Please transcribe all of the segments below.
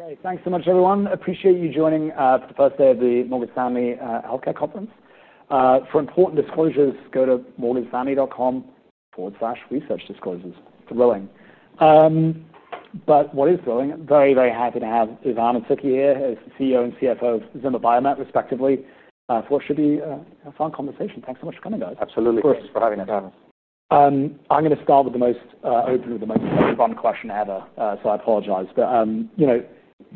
Okay, thanks so much, everyone. Appreciate you joining for the first day of the Mawlitthami Healthcare Conference. For important disclosures, go to mawlitthami.com/researchdisclosures. Thrilling. What is thrilling? Very, very happy to have Ivan and Suky here as the CEO and CFO of Zimmer Biomet, respectively. For us, should be a fun conversation. Thanks so much for coming, guys. Absolutely. Thanks for having us. I'm going to start with the most open of the most, you know, one question ever. I apologize. You know,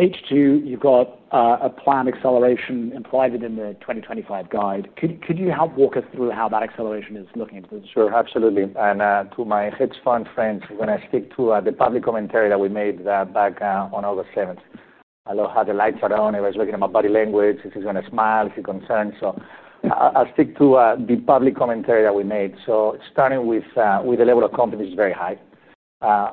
H2, you've got a planned acceleration implied in the 2025 guide. Could you help walk us through how that acceleration is looking? Sure, absolutely. To my hedge fund friends, we're going to stick to the public commentary that we made back on August 7th. I love how the lights are on. Everybody's looking at my body language. Is he going to smile? Is he concerned? I'll stick to the public commentary that we made. Starting with the level of company, it's very high.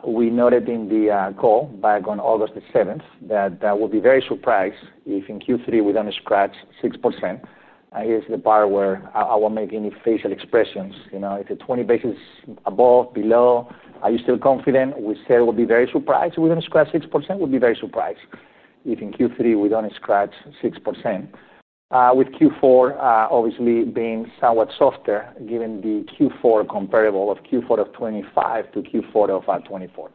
We noted in the call back on August 7th that we'll be very surprised if in Q3 we don't scratch 6%. Here's the part where I won't make any facial expressions. If the 20 basis above, below, are you still confident? We said we'll be very surprised if we don't scratch 6%. We'll be very surprised if in Q3 we don't scratch 6%, with Q4 obviously being somewhat softer, given the Q4 comparable of Q4 of 2025 to Q4 of 2024.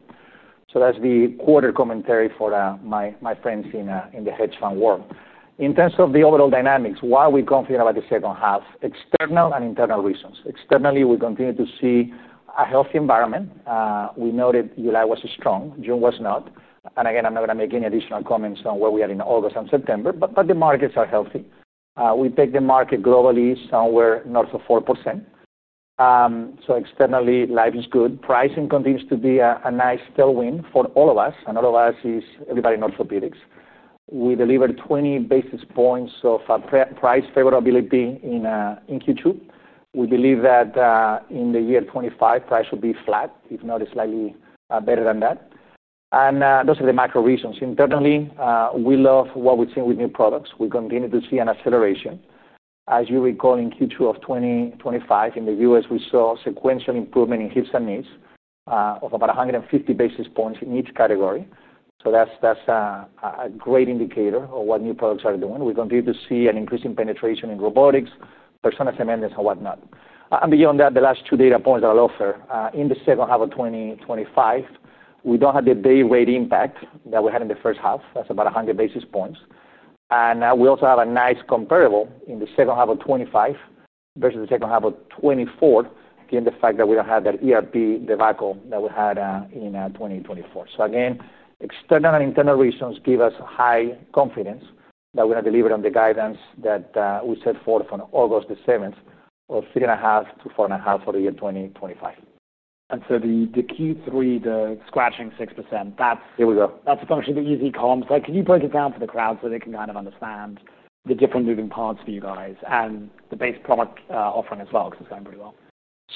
That's the quarter commentary for my friends in the hedge fund world. In terms of the overall dynamics, why are we confident about the second half? External and internal reasons. Externally, we continue to see a healthy environment. We noted July was strong, June was not. I'm not going to make any additional comments on where we are in August and September, but the markets are healthy. We take the market globally somewhere north of 4%. Externally, life is good. Pricing continues to be a nice tailwind for all of us, and all of us is everybody in orthopedics. We delivered 20 basis points of price favorability in Q2. We believe that in the year 2025, price should be flat, if not slightly better than that. Those are the macro reasons. Internally, we love what we've seen with new products. We continue to see an acceleration. As you recall, in Q2 of 2025, in the U.S., we saw sequential improvement in hips and knees of about 150 basis points in each category. That's a great indicator of what new products are doing. We continue to see an increase in penetration in robotics, Persona Cement, and whatnot. Beyond that, the last two data points that I'll offer in the second half of 2025, we don't have the day rate impact that we had in the first half. That's about 100 basis points. We also have a nice comparable in the second half of 2025 versus the second half of 2024, given the fact that we don't have that ERP debacle that we had in 2024. External and internal reasons give us high confidence that we're going to deliver on the guidance that we set forth on August 7th of 3.5% to 4.5% for the year 2025. The Q3, the scratching 6%, that's. Here we go. That's a bunch of the easy comms. Can you break it down for the crowd so they can kind of understand the different moving parts for you guys and the base product offering as well, because it's going pretty well?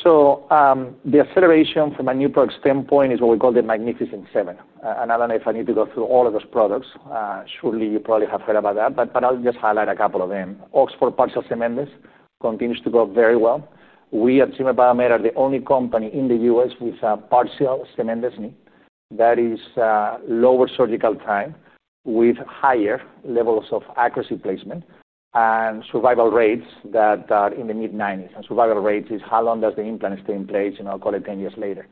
The acceleration from a new product standpoint is what we call the Magnificent Seven. I don't know if I need to go through all of those products. Surely, you probably have heard about that, but I'll just highlight a couple of them. Oxford Partial Cement continues to go very well. We at Zimmer Biomet are the only company in the U.S. with a partial cement that is a lower surgical time with higher levels of accuracy placement and survival rates that are in the mid 90%. Survival rates is how long does the implant stay in place, you know, call it 10 years later,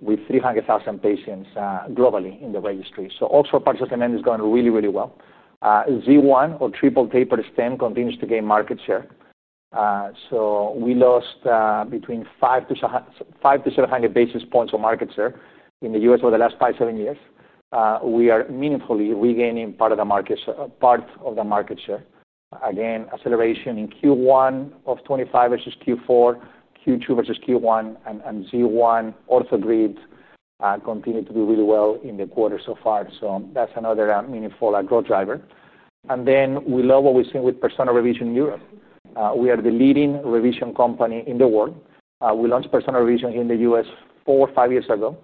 with 300,000 patients globally in the registry. Oxford Partial Cement is going really, really well. Z1 Triple Tapered Stem continues to gain market share. We lost between 500 to 700 basis points of market share in the U.S. for the last five, seven years. We are meaningfully regaining part of the market, part of the market share. Again, acceleration in Q1 of 2025 versus Q4, Q2 versus Q1, and Z1 Orthogrid continue to do really well in the quarter so far. That's another meaningful growth driver. We love what we're seeing with Persona Revision in Europe. We are the leading revision company in the world. We launched Persona Revision here in the U.S. four or five years ago.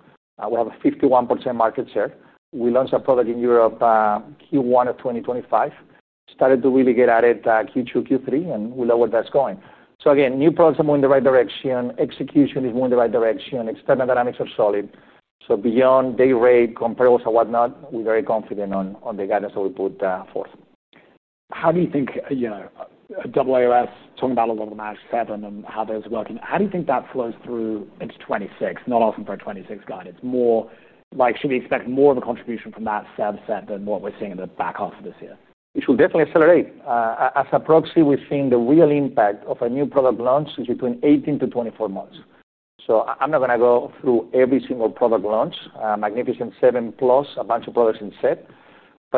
We have a 51% market share. We launched a product in Europe, Q1 of 2025. Started to really get at it Q2, Q3, and we love where that's going. New products are moving in the right direction. Execution is moving in the right direction. External dynamics are solid. Beyond day rate, comparables, and whatnot, we're very confident on the guidance that we put forth. How do you think, you know, talking about a lot of that Magnificent Seven and how that's working? How do you think that flows through H2 2026, not often for a 2026 guide? It's more like, should we expect more of a contribution from that Magnificent Seven set than what we're seeing in the back half of this year? It will definitely accelerate. As a proxy, we've seen the real impact of a new product launch is between 18 to 24 months. I'm not going to go through every single product launch, Magnificent Seven plus, a bunch of products in set.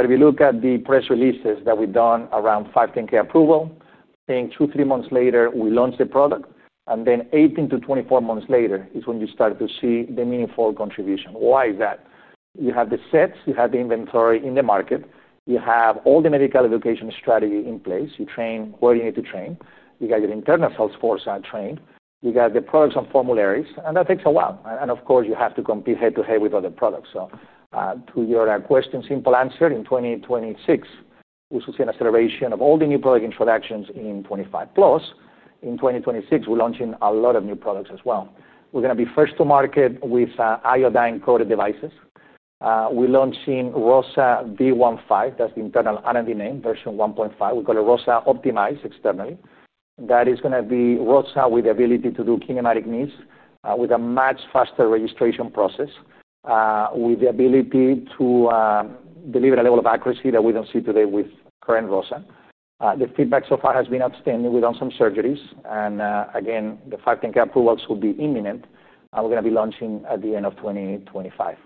If you look at the press releases that we've done around 510K approval, saying two, three months later, we launch the product, and then 18 to 24 months later is when you start to see the meaningful contribution. Why is that? You have the sets, you have the inventory in the market, you have all the medical education strategy in place, you train where you need to train, you got your internal sales force trained, you got the products and formularies, and that takes a while. You have to compete head-to-head with other products. To your question, simple answer, in 2026, we'll see an acceleration of all the new product introductions in 2025 plus. In 2026, we're launching a lot of new products as well. We're going to be first to market with iodine-coated devices. We're launching ROSA D15, that's the internal R&D name, version 1.5. We call it ROSA Optimize externally. That is going to be ROSA with the ability to do kinematic knees, with a much faster registration process, with the ability to deliver a level of accuracy that we don't see today with current ROSA. The feedback so far has been outstanding. We've done some surgeries, and the 510K approvals will be imminent. We're going to be launching at the end of 2025.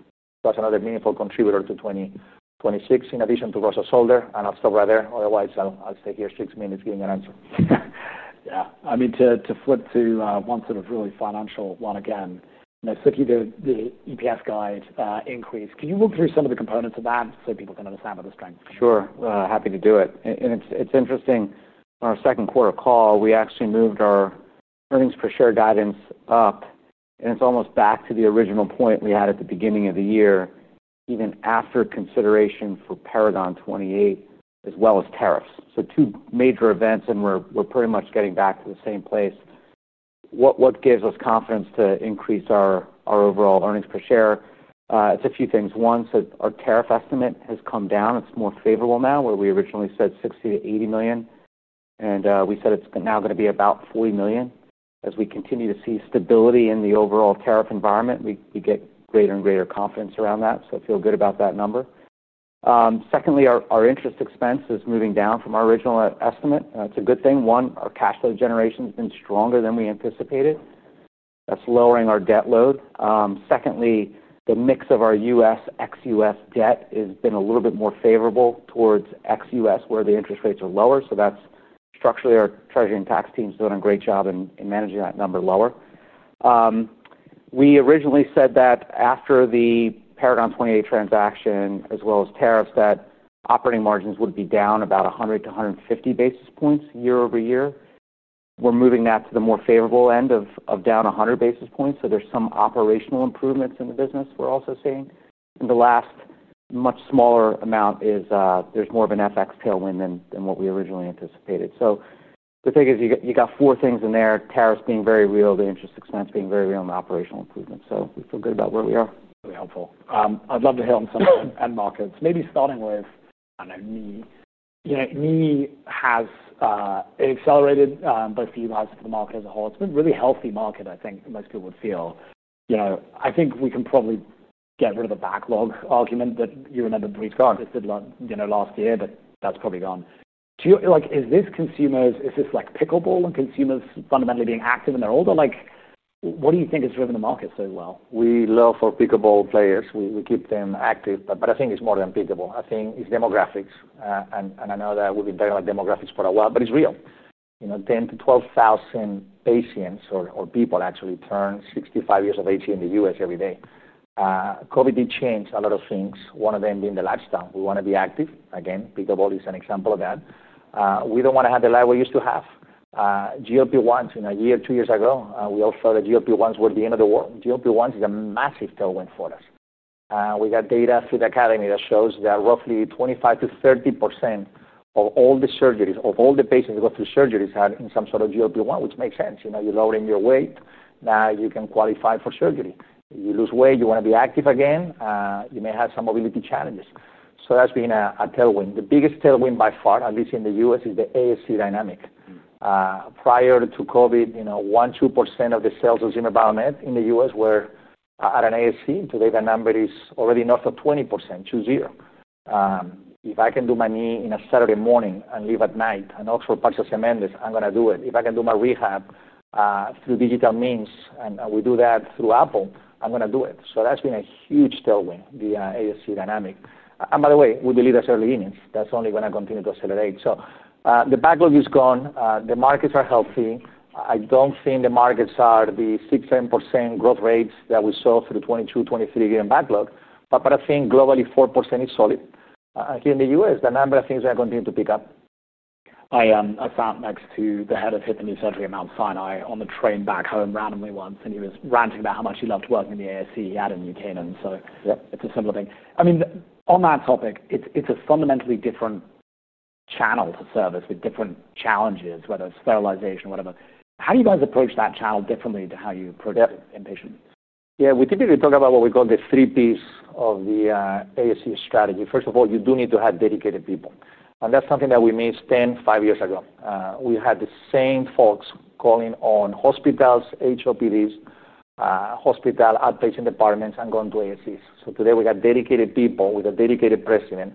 That's another meaningful contributor to 2026, in addition to ROSA Solder, and I'll stop right there. Otherwise, I'll stay here six minutes giving an answer. Yeah, I mean, to flip to one sort of really financial one again, Suky, the EPS guide increase, can you walk through some of the components of that so people can understand what the strengths are? Sure, happy to do it. It's interesting, on our second quarter call, we actually moved our earnings per share guidance up, and it's almost back to the original point we had at the beginning of the year, even after consideration for Paragon 28, as well as tariffs. Two major events, and we're pretty much getting back to the same place. What gives us confidence to increase our overall earnings per share? It's a few things. One, our tariff estimate has come down. It's more favorable now, where we originally said $60 million to $80 million, and we said it's now going to be about $40 million. As we continue to see stability in the overall tariff environment, we get greater and greater confidence around that. I feel good about that number. Secondly, our interest expense is moving down from our original estimate. It's a good thing. Our cash flow generation has been stronger than we anticipated. That's lowering our debt load. Secondly, the mix of our U.S. ex-U.S. debt has been a little bit more favorable towards ex-U.S., where the interest rates are lower. That's structurally our Treasury and Tax teams doing a great job in managing that number lower. We originally said that after the Paragon 28 transaction, as well as tariffs, that operating margins would be down about 100 to 150 basis points year over year. We're moving that to the more favorable end of down 100 basis points. There's some operational improvements in the business we're also seeing. The last much smaller amount is there's more of an FX tailwind than what we originally anticipated. The thing is, you got four things in there, tariffs being very real, the interest expense being very real, and the operational improvements. We feel good about where we are. Really helpful. I'd love to hear on some end markets, maybe starting with, I don't know, knee. You know, knee has accelerated both for you guys and for the market as a whole. It's been a really healthy market, I think, that most people would feel. I think we can probably get rid of the backlog argument that you remembered briefed on. This did last year, but that's probably gone. To your, like, is this consumers, is this like pickleball and consumers fundamentally being active and they're older? Like, what do you think has driven the market so well? We love for pickleball players. We keep them active, but I think it's more than pickleball. I think it's demographics. I know that we've been talking about demographics for a while, but it's real. You know, 10,000 to 12,000 patients or people actually turn 65 years of age here in the U.S. every day. COVID did change a lot of things, one of them being the lifestyle. We want to be active. Again, pickleball is an example of that. We don't want to have the life we used to have. GLP-1s, you know, a year, two years ago, we all thought that GLP-1s were the end of the world. GLP-1s is a massive tailwind for us. We got data through the academy that shows that roughly 25% to 30% of all the surgeries, of all the patients that go through surgeries, are in some sort of GLP-1, which makes sense. You know, you're lowering your weight. Now you can qualify for surgery. You lose weight, you want to be active again. You may have some mobility challenges. That's been a tailwind. The biggest tailwind by far, at least in the U.S., is the ASC dynamic. Prior to COVID, you know, 1% to 2% of the sales of Zimmer Biomet in the U.S. were at an ASC. Today, that number is already north of 20%. If I can do my knee on a Saturday morning and leave at night, an Oxford Partial Cement, I'm going to do it. If I can do my rehab, through digital means, and we do that through Apple, I'm going to do it. That's been a huge tailwind, the ASC dynamic. By the way, we delivered early units. That's only going to continue to accelerate. The backlog is gone. The markets are healthy. I don't think the markets are the 6% to 7% growth rates that we saw through 2022, 2023 given backlog. I think globally, 4% is solid. Here in the U.S., the number of things are going to continue to pick up. I am. I sat next to the Head of Hip and Knee Surgery, Mount Sinai, on the train back home randomly once, and he was ranting about how much he loved working in the Ambulatory Surgery Center he had in New Canaan. It's a similar thing. On that topic, it's a fundamentally different channel to service with different challenges, whether it's sterilization or whatever. How do you guys approach that channel differently to how you approach it inpatient? Yeah, we typically talk about what we call the three P's of the ASC strategy. First of all, you do need to have dedicated people, and that's something that we missed 10, 5 years ago. We had the same folks calling on hospitals, HOPDs, hospital outpatient departments, and going to ASCs. Today we got dedicated people with a dedicated President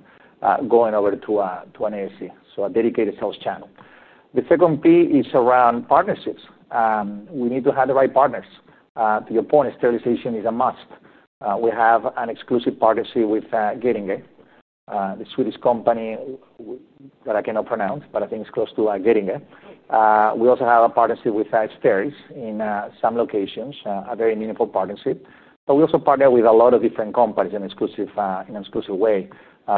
going over to an ASC, so a dedicated sales channel. The second P is around partnerships. We need to have the right partners. To your point, sterilization is a must. We have an exclusive partnership with Getinge, the Swedish company that I cannot pronounce, but I think it's close to Getinge. We also have a partnership with Aspheris in some locations, a very meaningful partnership. We also partner with a lot of different companies in an exclusive way.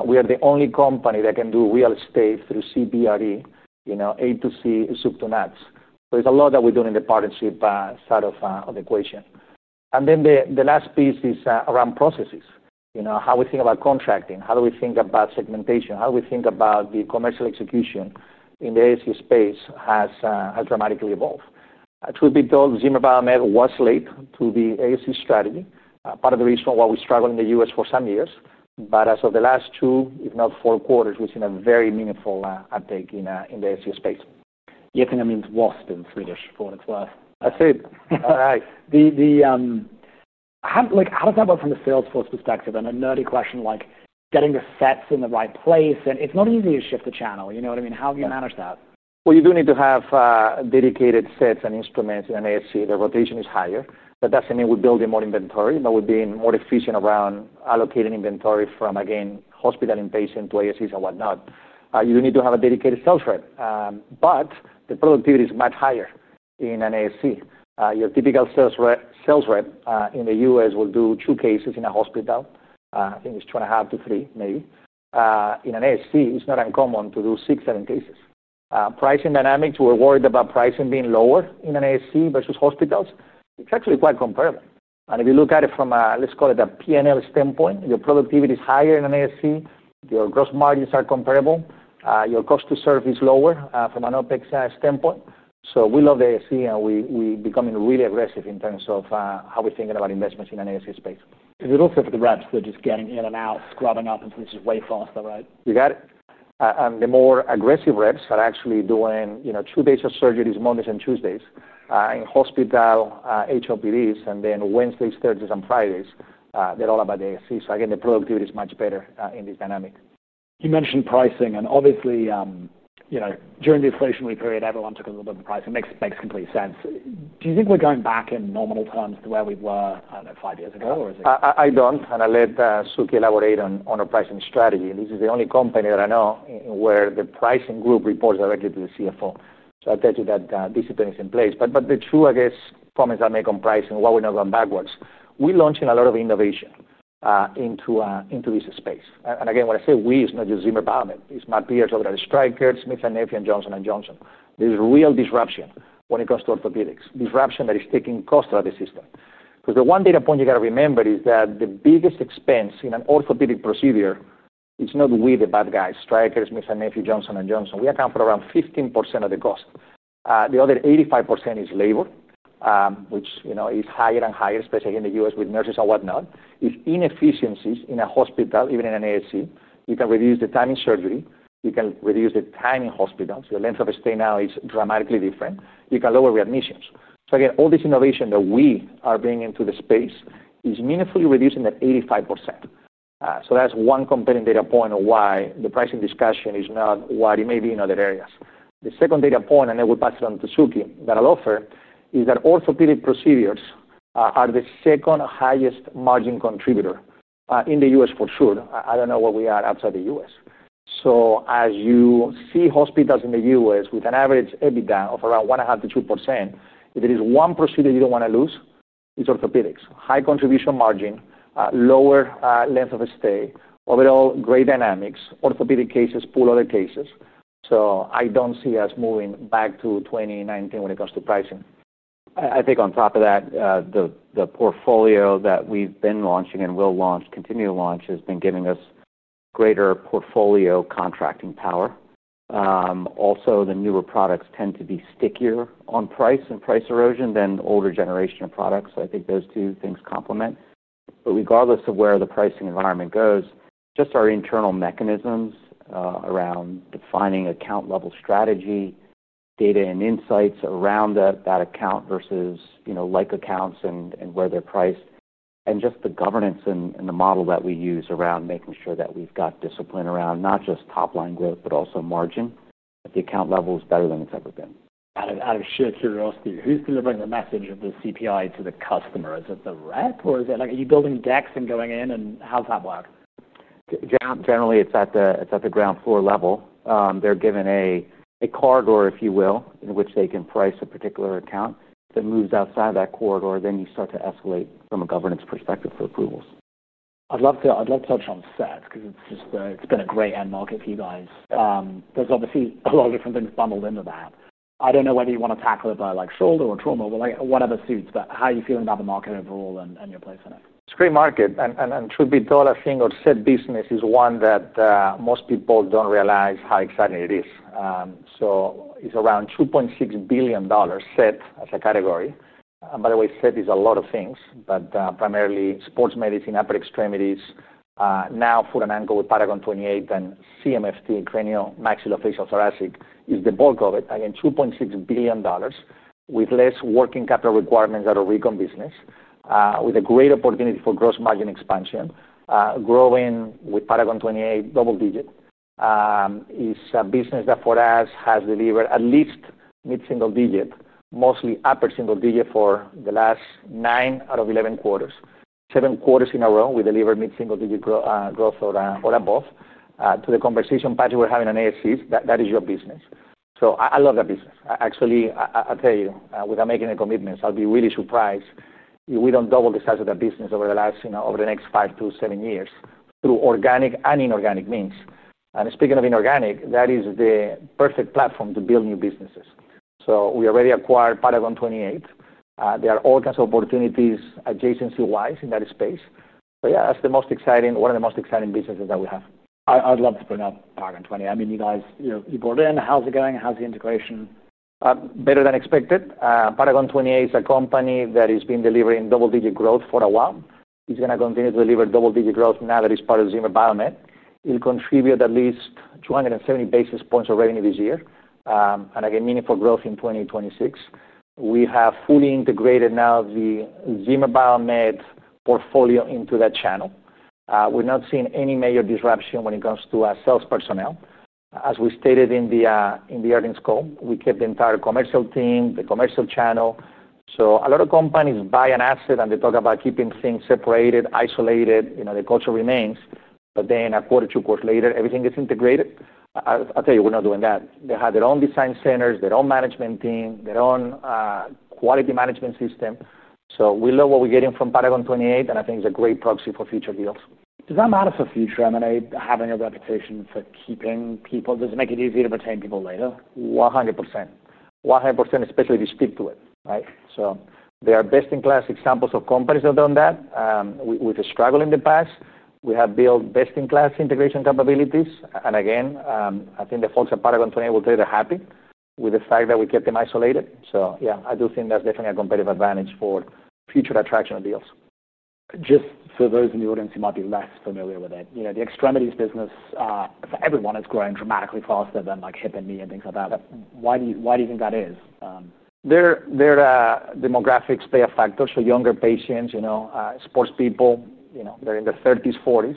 We are the only company that can do real estate through CBRE, you know, A to C, soup to nuts. There's a lot that we're doing in the partnership side of the equation. The last piece is around processes. You know, how we think about contracting, how do we think about segmentation, how do we think about the commercial execution in the ASC space has dramatically evolved. Truth be told, Zimmer Biomet was late to the ASC strategy, part of the reason why we struggled in the U.S. for some years. As of the last two, if not four quarters, we've seen a very meaningful uptake in the ASC space. Yet an immense wasp in Swedish for what it's worth. That's it. All right. How does that work from a sales force perspective? A nerdy question, like getting the sets in the right place, it's not easy to shift the channel, you know what I mean? How do you manage that? You do need to have dedicated sets and instruments in an ASC. The rotation is higher. That doesn't mean we're building more inventory, but we're being more efficient around allocating inventory from, again, hospital inpatient places and whatnot. You do need to have a dedicated sales rep, but the productivity is much higher in an ASC. Your typical sales rep in the U.S. will do two cases in a hospital, it's two and a half to three, maybe. In an ASC, it's not uncommon to do six, seven cases. Pricing dynamics, we're worried about pricing being lower in an ASC versus hospitals. It's actually quite comparable. If you look at it from a, let's call it a P&L standpoint, your productivity is higher in an ASC. Your gross margins are comparable. Your cost to serve is lower, from an OpEx standpoint. We love the ASC, and we are becoming really aggressive in terms of how we're thinking about investments in an ASC space. Is it okay for the reps that are just getting in and out, scrubbing up in places way faster, right? You got it. The more aggressive reps are actually doing, you know, two days of surgery, these Mondays and Tuesdays, in hospital, HOPDs, and then Wednesdays, Thursdays, and Fridays, they're all about the ASC. The productivity is much better in this dynamic. You mentioned pricing, and obviously, during the inflation we created, everyone took a little bit of the pricing. Makes complete sense. Do you think we're going back in nominal terms to where we were, I don't know, five years ago, or is it? I don't, and I'll let Suky elaborate on our pricing strategy. This is the only company that I know where the pricing group reports directly to the CFO. I'll tell you that discipline is in place. The true comments I make on pricing, why we're not going backwards, we're launching a lot of innovation into this space. When I say we, it's not just Zimmer Biomet. It's Matt Pierce, other Strykers, Smith & Nephew, and Johnson & Johnson. There's real disruption when it comes to orthopedics, disruption that is taking cost out of the system. The one data point you got to remember is that the biggest expense in an orthopedic procedure, it's not we, the bad guys, Strykers, Smith & Nephew, Johnson & Johnson. We account for around 15% of the cost. The other 85% is labor, which, you know, is higher and higher, especially in the U.S. with nurses and whatnot. It's inefficiencies in a hospital, even in an ASC. You can reduce the time in surgery. You can reduce the time in hospitals. Your length of stay now is dramatically different. You can lower readmissions. All this innovation that we are bringing to the space is meaningfully reducing that 85%. That's one compelling data point of why the pricing discussion is not what it may be in other areas. The second data point, and then I'll pass it on to Suky, that I'll offer is that orthopedic procedures are the second highest margin contributor, in the U.S. for sure. I don't know where we are outside the U.S. As you see hospitals in the U.S. with an average EBITDA of around 1.5% to 2%, if there is one procedure you don't want to lose, it's orthopedics. High contribution margin, lower length of stay, overall great dynamics, orthopedic cases pull other cases. I don't see us moving back to 2019 when it comes to pricing. I think on top of that, the portfolio that we've been launching and will launch, continue to launch, has been giving us greater portfolio contracting power. Also, the newer products tend to be stickier on price and price erosion than older generation of products. I think those two things complement. Regardless of where the pricing environment goes, just our internal mechanisms around defining account-level strategy, data and insights around that account versus, you know, like accounts and where they're priced, and just the governance and the model that we use around making sure that we've got discipline around not just top-line growth, but also margin. The account level is better than it's ever been. Out of sheer curiosity, who's delivering the message of the CPI to the customer? Is it the rep, or are you building decks and going in, and how's that work? Generally, it's at the ground floor level. They're given a corridor, if you will, in which they can price a particular account. If they moved outside of that corridor, you start to escalate from a governance perspective for approvals. I'd love to touch on Feds, because it's just, it's been a great end market for you guys. There's obviously a lot of different things bundled into that. I don't know whether you want to tackle it by like shoulder or trauma or whatever suits, but how are you feeling about the market overall and your place in it? Screen market, and truth be told, I think our set business is one that most people don't realize how exciting it is. It's around $2.6 billion set as a category. By the way, set is a lot of things, but primarily sports medicine, upper extremities, now foot and ankle with Paragon 28, then CMFT, cranial, maxillofacial, thoracic, is the bulk of it. Again, $2.6 billion with less working capital requirements out of recon business, with a great opportunity for gross margin expansion, growing with Paragon 28 double digit. It is a business that for us has delivered at least mid-single digit, mostly upper single digit for the last nine out of 11 quarters. Seven quarters in a row, we delivered mid-single digit growth or above. To the conversation Patrick was having on ASCs, that is your business. I love that business. Actually, I'll tell you, without making any commitments, I'll be really surprised if we don't double the size of that business over the next five to seven years through organic and inorganic means. Speaking of inorganic, that is the perfect platform to build new businesses. We already acquired Paragon 28. There are all kinds of opportunities adjacency-wise in that space. That's the most exciting, one of the most exciting businesses that we have. I'd love to bring up Paragon 28. I mean, you guys brought it in, how's it going? How's the integration? Better than expected. Paragon 28 is a company that has been delivering double-digit growth for a while. It's going to continue to deliver double-digit growth now that it's part of Zimmer Biomet. It'll contribute at least 270 basis points of revenue this year, and again, meaningful growth in 2026. We have fully integrated now the Zimmer Biomet portfolio into that channel. We're not seeing any major disruption when it comes to our sales personnel. As we stated in the earnings call, we kept the entire commercial team, the commercial channel. A lot of companies buy an asset and they talk about keeping things separated, isolated, you know, the culture remains. Then a quarter, two quarters later, everything gets integrated. I'll tell you, we're not doing that. They have their own design centers, their own management team, their own quality management system. We love what we're getting from Paragon 28, and I think it's a great proxy for future deals. Does that matter for future? I mean, do you have any reputation for keeping people? Does it make it easier to retain people later? 100%. 100%, especially if you stick to it, right? There are best-in-class examples of companies that have done that. We've struggled in the past. We have built best-in-class integration capabilities. I think the folks at Paragon 28 will tell you they're happy with the fact that we kept them isolated. I do think that's definitely a competitive advantage for future attraction of deals. Just for those in the audience who might be less familiar with it, the extremities business, for everyone, it's growing dramatically faster than like hip and knee and things like that. Why do you think that is? Their demographics play a factor. Younger patients, you know, sports people, you know, they're in their 30s, 40s.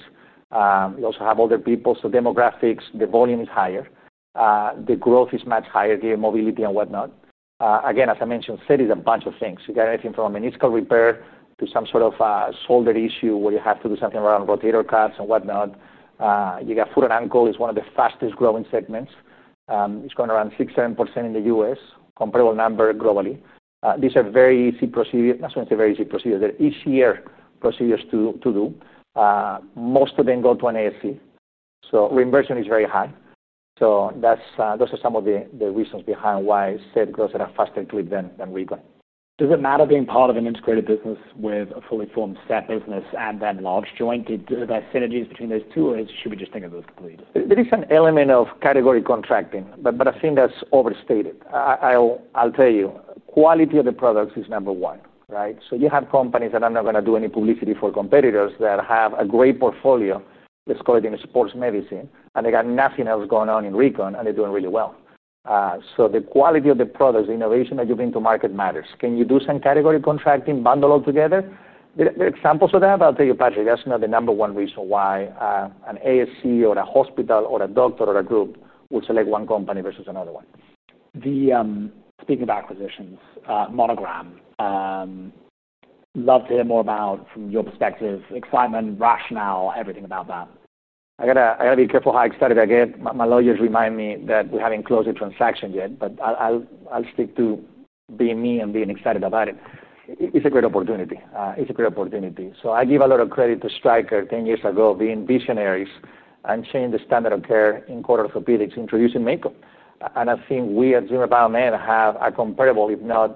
You also have older people. Demographics, the volume is higher. The growth is much higher given mobility and whatnot. Again, as I mentioned, set is a bunch of things. You get anything from a meniscal repair to some sort of shoulder issue where you have to do something around rotator cuffs and whatnot. You got foot and ankle, it's one of the fastest growing segments. It's going around 6-7% in the U.S., comparable number globally. These are very easy procedures, not so much very easy procedures, they're easier procedures to do. Most of them go to an ASC. Reimbursement is very high. Those are some of the reasons behind why set growths are faster to it than recon. Does it matter being part of an integrated business with a fully formed set business and then large joint? Does there be synergies between those two, or should we just think of those completely? There is an element of category contracting, but I think that's overstated. I'll tell you, quality of the products is number one, right? You have companies that, I'm not going to do any publicity for competitors, that have a great portfolio, let's call it in sports medicine, and they've got nothing else going on in recon and they're doing really well. The quality of the products, the innovation that you bring to market, matters. Can you do some category contracting, bundle altogether? There are examples of that, but I'll tell you, Patrick, that's not the number one reason why an ASC or a hospital or a doctor or a group would select one company versus another one. Speaking of acquisitions, Monogram, love to hear more about, from your perspective, excitement, rationale, everything about that. I got to be careful how excited I get. My lawyers remind me that we haven't closed the transaction yet, but I'll stick to being me and being excited about it. It's a great opportunity. It's a great opportunity. I give a lot of credit to Stryker 10 years ago, being visionaries and changing the standard of care in core orthopedics, introducing MAKO. I think we at Zimmer Biomet have a comparable, if not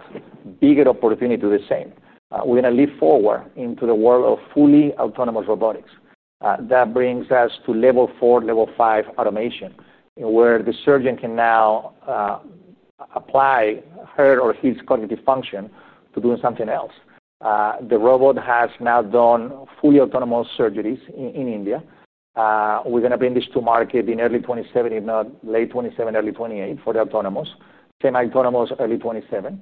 bigger, opportunity to do the same. We're going to leap forward into the world of fully autonomous robotics. That brings us to level four, level five automation, where the surgeon can now apply her or his cognitive function to doing something else. The robot has now done fully autonomous surgeries in India. We're going to bring this to market in early 2027, if not late 2027, early 2028 for the autonomous. Same autonomous, early 2027.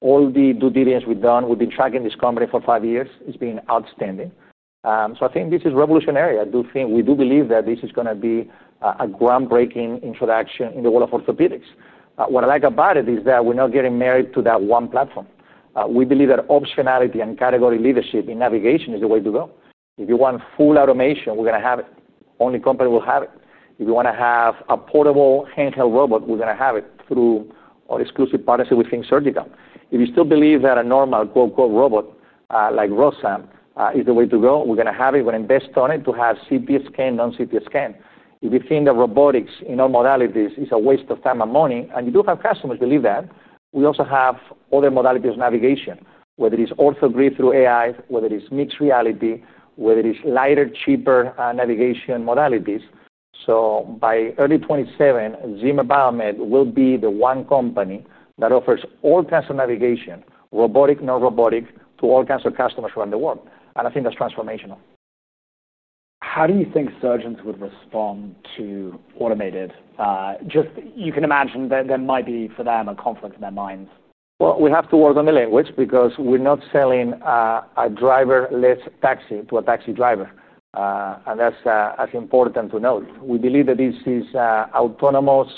All the due diligence we've done, we've been tracking this company for five years. It's been outstanding. I think this is revolutionary. I do think we do believe that this is going to be a groundbreaking introduction in the world of orthopedics. What I like about it is that we're not getting married to that one platform. We believe that optionality and category leadership in navigation is the way to go. If you want full automation, we're going to have it. Only company will have it. If you want to have a portable handheld robot, we're going to have it through our exclusive partnership with Think Surgical. If you still believe that a normal quote-unquote robot, like ROSA, is the way to go, we're going to have it. We're going to invest on it to have CT scan, non-CT scan. If you think that robotics in all modalities is a waste of time and money, and you do have customers believe that, we also have other modalities of navigation, whether it is Orthogrid through AI, whether it is mixed reality, whether it is lighter, cheaper navigation modalities. By early 2027, Zimmer Biomet will be the one company that offers all kinds of navigation, robotic, non-robotic, to all kinds of customers around the world. I think that's transformational. How do you think surgeons would respond to automated? You can imagine there might be for them a conflict in their minds. We have to work on the language because we're not selling a driverless taxi to a taxi driver, and that's as important to know. We believe that this is an autonomous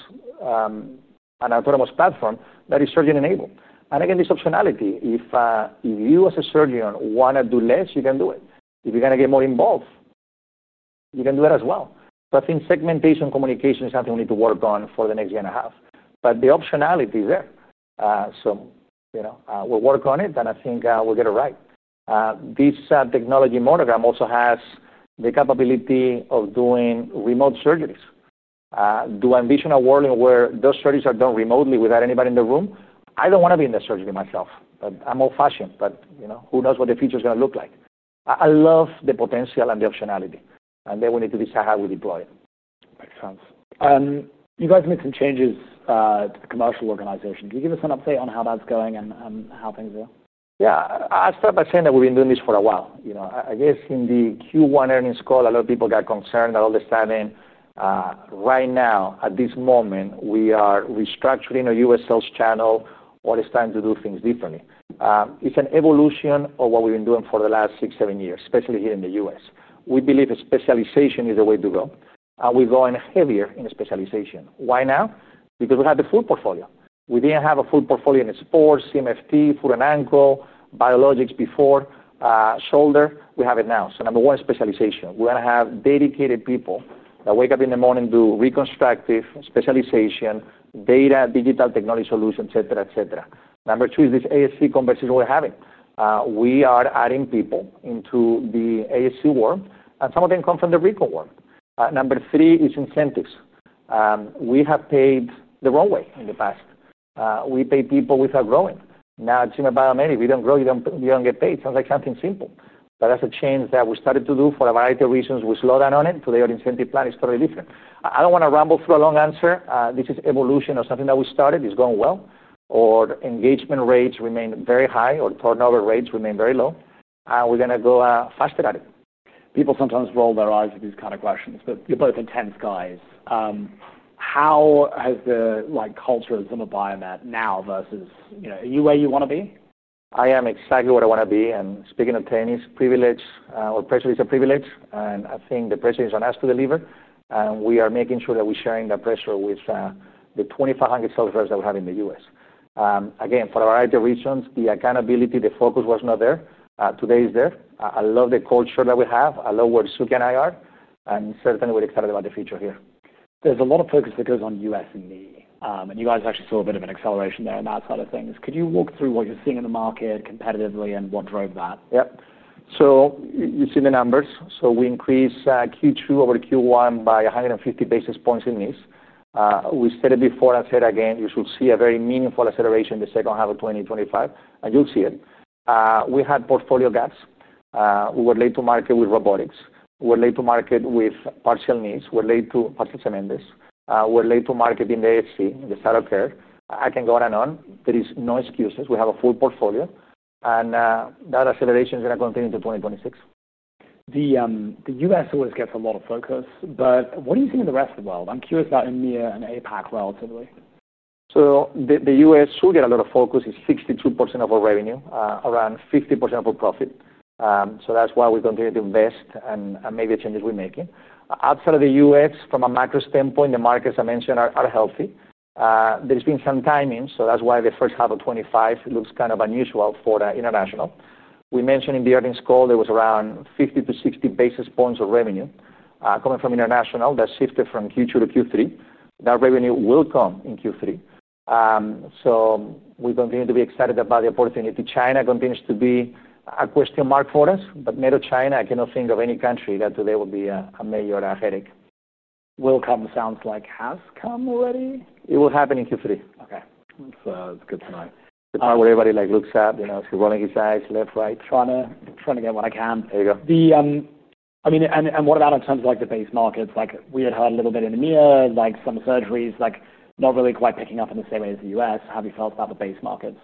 platform that is surgeon-enabled. Again, this optionality, if you as a surgeon want to do less, you can do it. If you're going to get more involved, you can do that as well. I think segmentation communication is something we need to work on for the next year and a half, but the optionality is there. We'll work on it, and I think we'll get it right. This technology Monogram also has the capability of doing remote surgeries. Do I envision a world where those surgeries are done remotely without anybody in the room? I don't want to be in the surgery myself. I'm old-fashioned, but you know, who knows what the future is going to look like? I love the potential and the optionality, and then we need to decide how we deploy it. Makes sense. You guys made some changes to the commercial organization. Can you give us an update on how that's going and how things are? Yeah, I'll start by saying that we've been doing this for a while. I guess in the Q1 earnings call, a lot of people got concerned about all this timing. Right now, at this moment, we are restructuring our U.S. sales channel. All this time to do things differently. It's an evolution of what we've been doing for the last six, seven years, especially here in the U.S. We believe specialization is the way to go, and we're going heavier in specialization. Why now? Because we have the full portfolio. We didn't have a full portfolio in sports, CMFT, foot and ankle, biologics before, shoulder. We have it now. Number one, specialization. We're going to have dedicated people that wake up in the morning and do reconstructive specialization, data, digital technology solutions, et cetera, et cetera. Number two is this Ambulatory Surgery Center (ASC) conversation we're having. We are adding people into the ASC world, and some of them come from the recon world. Number three is incentives. We have paid the wrong way in the past. We paid people without growing. Now at Zimmer Biomet, if you don't grow, you don't get paid. Sounds like something simple, but that's a change that we started to do for a variety of reasons. We slowed down on it. Today, our incentive plan is totally different. I don't want to ramble through a long answer. This is evolution or something that we started. It's going well. Our engagement rates remain very high, our turnover rates remain very low, and we're going to go faster at it. People sometimes roll their eyes at these kind of questions, but you've both been tense, guys. How has the culture of Zimmer Biomet now versus, you know, are you where you want to be? I am exactly where I want to be. Speaking of tinies, pressure is a privilege. I think the pressure is on us to deliver, and we are making sure that we're sharing that pressure with the 2,500 sales reps that we have in the U.S. For a variety of reasons, the accountability, the focus was not there. Today it's there. I love the culture that we have. I love where Suky and I are, and certainly, we're excited about the future here. There's a lot of focus that goes on US and knee, and you guys actually saw a bit of an acceleration there on that side of things. Could you walk through what you're seeing in the market competitively and what drove that? You have seen the numbers. We increased Q2 over Q1 by 150 basis points in knees. We said it before, I'll say it again, you should see a very meaningful acceleration in the second half of 2025, and you'll see it. We had portfolio gaps. We were late to market with robotics. We were late to market with partial knees. We were late to Oxford Partial Cement. We were late to market in the Ambulatory Surgery Center, in the startup care. I can go on and on. There are no excuses. We have a full portfolio, and that acceleration is going to continue to 2026. The US always gets a lot of focus, but what do you see in the rest of the world? I'm curious about EMEA and APAC relatively. The U.S. will get a lot of focus. It's 62% of our revenue, around 50% of our profit. That's why we continue to invest and maybe the changes we're making. Outside of the U.S., from a macro standpoint, the markets I mentioned are healthy. There's been some timing, so that's why the first half of 2025 looks kind of unusual for the international. We mentioned in the earnings call there was around 50 to 60 basis points of revenue coming from international that shifted from Q2 to Q3. That revenue will come in Q3. We continue to be excited about the opportunity. China continues to be a question mark for us, but made of China, I cannot think of any country that today will be a major headache. Will come, sounds like has come already. It will happen in Q3. Okay, that's good to know. The part where everybody looks up, you know, he's rolling his eyes left, right, trying to get what I can. There you go. I mean, what about in terms of the base markets? We had heard a little bit in EMEA, like some surgeries not really quite picking up in the same way as the US. How have you felt about the base markets?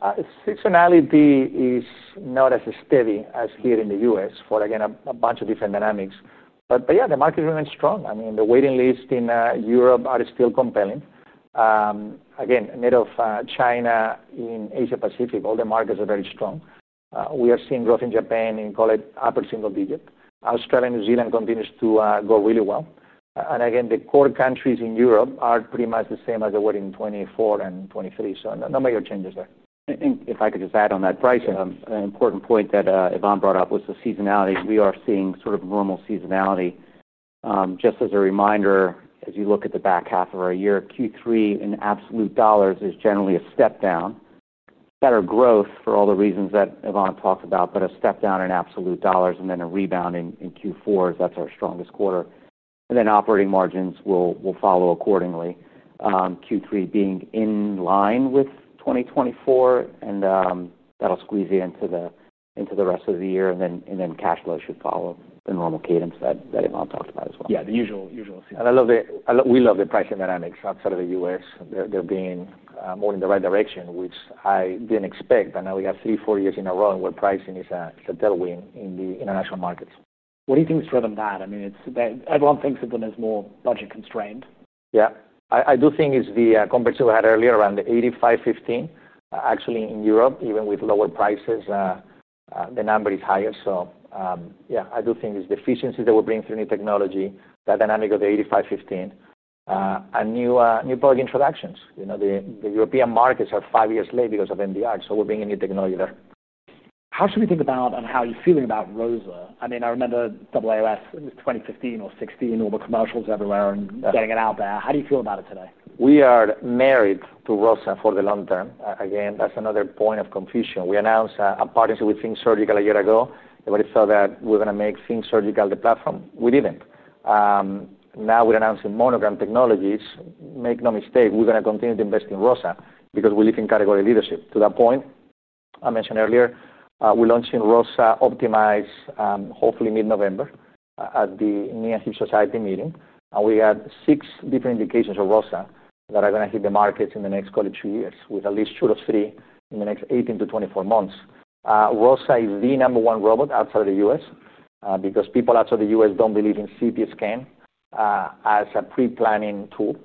Sectionality is not as steady as here in the U.S. for, again, a bunch of different dynamics. Yeah, the market remains strong. I mean, the waiting lists in Europe are still compelling. Again, made of China in Asia-Pacific, all the markets are very strong. We are seeing growth in Japan, you can call it upper single digit. Australia, New Zealand continues to go really well. Again, the core countries in Europe are pretty much the same as they were in 2024 and 2023. No major changes there. I think if I could just add on that pricing, an important point that Ivan brought up was the seasonality. We are seeing sort of normal seasonality. Just as a reminder, as you look at the back half of our year, Q3 in absolute dollars is generally a step down. Better growth for all the reasons that Ivan talked about, but a step down in absolute dollars, and then a rebound in Q4. That's our strongest quarter. Operating margins will follow accordingly, Q3 being in line with 2024, and that'll squeeze you into the rest of the year. Cash flow should follow the normal cadence that Ivan talked about as well. Yeah, the usual system. I love that we love the pricing dynamics outside of the U.S. They're being more in the right direction, which I didn't expect. Now we have three, four years in a row where pricing is a tailwind in the international markets. What do you think is driving that? I mean, it's that everyone thinks of them as more budget constrained. Yeah, I do think it's the comparison we had earlier around the 85-15. Actually, in Europe, even with lower prices, the number is higher. I do think it's the efficiencies that we're bringing through new technology, that dynamic of the 85-15, and new product introductions. You know, the European markets are five years late because of MDR. We're bringing new technology there. How should we think about and how are you feeling about ROSA? I mean, I remember AAOS in 2015 or 2016, all the commercials everywhere and getting it out there. How do you feel about it today? We are married to ROSA for the long term. Again, that's another point of confusion. We announced a partnership with Think Surgical a year ago. Everybody thought that we were going to make Think Surgical the platform. We didn't. Now we're announcing Monogram Technologies. Make no mistake, we're going to continue to invest in ROSA because we live in category leadership. To that point, I mentioned earlier, we're launching ROSA Optimize, hopefully mid-November at the Knee and Hip Society meeting. We had six different indications of ROSA that are going to hit the markets in the next two years, with at least two to three in the next 18 to 24 months. ROSA is the number one robot outside of the U.S., because people outside the U.S. don't believe in CT scan as a pre-planning tool.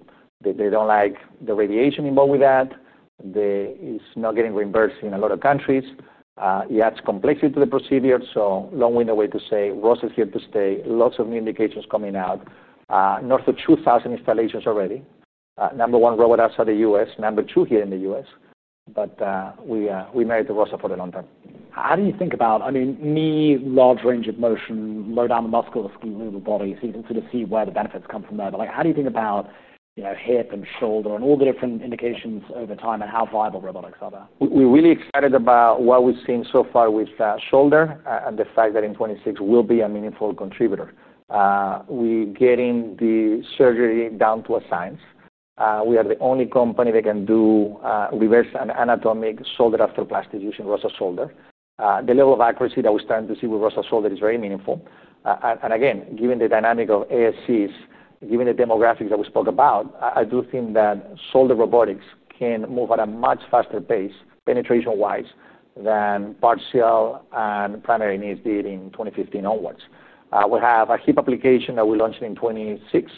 They don't like the radiation involved with that. It's not getting reimbursed in a lot of countries. It adds complexity to the procedure. Long way to say ROSA is here to stay. Lots of new indications coming out. North of 2,000 installations already. Number one robot outside the U.S., number two here in the U.S. We are married to ROSA for the long term. How do you think about, I mean, knee, large range of motion, low down the muscles in the body, so you can sort of see where the benefits come from there. How do you think about, you know, hip and shoulder and all the different indications over time and how viable robotics are there? We're really excited about what we've seen so far with the shoulder and the fact that in 2026 will be a meaningful contributor. We're getting the surgery down to a science. We are the only company that can do reverse and anatomic shoulder arthroplasty using ROSA shoulder. The level of accuracy that we're starting to see with ROSA shoulder is very meaningful. Given the dynamic of Ambulatory Surgery Centers, given the demographics that we spoke about, I do think that shoulder robotics can move at a much faster pace, penetration-wise, than partial and primary knees did in 2015 onwards. We have a hip application that we launched in 2026,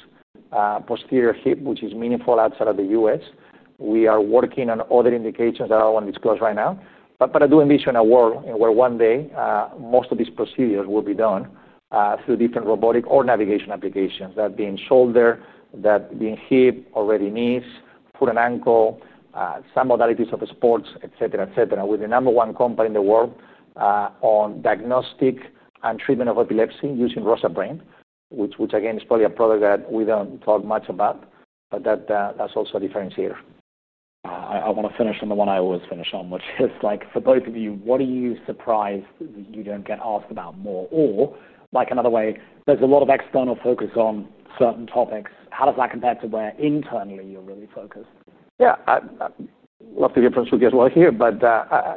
posterior hip, which is meaningful outside of the U.S. We are working on other indications that I won't disclose right now. I do envision a world in where one day, most of these procedures will be done through different robotic or navigation applications, that being shoulder, that being hip, already knees, foot and ankle, some modalities of sports, et cetera, et cetera, with the number one company in the world on diagnostic and treatment of epilepsy using ROSA brain, which is probably a product that we don't talk much about, but that's also a differentiator. I want to finish on the one I always finish on, which is, for both of you, what are you surprised that you don't get asked about more? Or, another way, there's a lot of external focus on certain topics. How does that compare to where internally you're really focused? Yeah, I love the difference with you as well here, but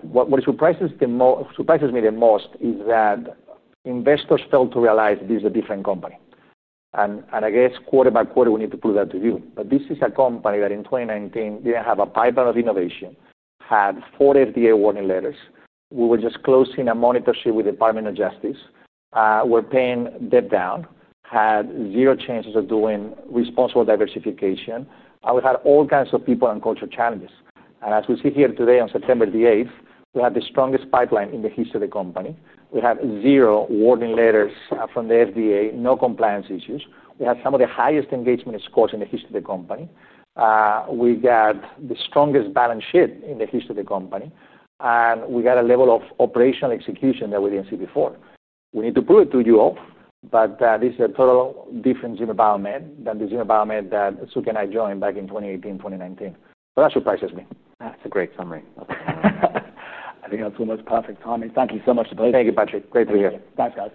what surprises me the most is that investors fail to realize this is a different company. I guess quarter by quarter, we need to put that to you. This is a company that in 2019 didn't have a pipeline of innovation, had four FDA warning letters, we were just closing a monitorship with the Department of Justice, we were paying debt down, had zero chances of doing responsible diversification, and we had all kinds of people and culture challenges. As we sit here today on September 8, we have the strongest pipeline in the history of the company. We have zero warning letters from the FDA, no compliance issues. We have some of the highest engagement scores in the history of the company. We have the strongest balance sheet in the history of the company. We have a level of operational execution that we didn't see before. We need to prove it to you all. This is a totally different Zimmer Biomet than the Zimmer Biomet that Suky and I joined back in 2018, 2019. That surprises me. That's a great summary. I think that's almost perfect, Tommy. Thank you so much for today. Thank you, Patrick. Great to be here. Thanks, guys.